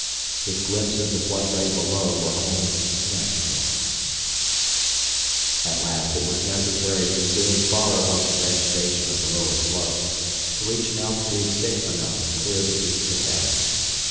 His glimpses of what lay below were only snatched ones. At last it was necessary to zoom far above the vegetation of the lower slopes, to reach an altitude safe enough to clear the peaks ahead.